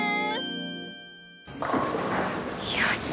よし。